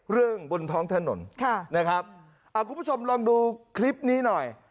บนท้องถนนค่ะนะครับคุณผู้ชมลองดูคลิปนี้หน่อย